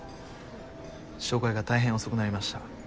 紹介がたいへん遅くなりました